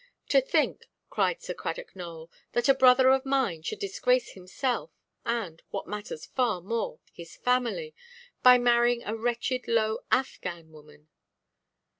"To think," cried Sir Cradock Nowell, "that a brother of mine should disgrace himself, and (what matters far more) his family, by marrying a wretched low Affghan woman!"